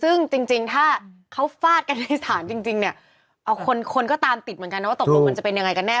ซึ่งจริงถ้าเขาฟาดกันในสถานจริงเนี่ยเอาคนคนก็ตามติดเหมือนกันนะว่าตกลงมันจะเป็นยังไงกันแน่